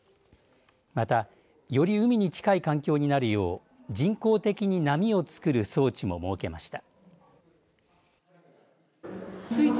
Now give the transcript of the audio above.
また、より海に近い環境になるよう人工的に波を作る装置も設けました。